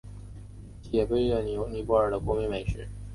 其也被誉为尼泊尔的国民美食。